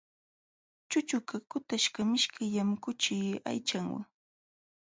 Chuchuqa kutaśhqa mishkillam kuchi aychanwa.